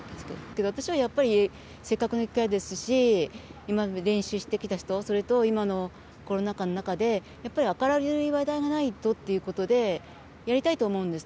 私はせっかくの１回ですし今まで練習してきた人それと、今のコロナ禍の中で明るい話題がないとということでやりたいと思うんです。